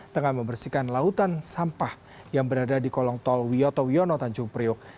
tengah membersihkan lautan sampah yang berada di kolong tol wiyoto wiono tanjung priok